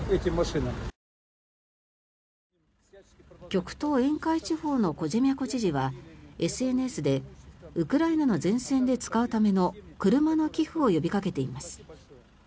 極東沿海地方のコジェミャコ知事はＳＮＳでウクライナの前線で使うための車の寄付を呼びかけています。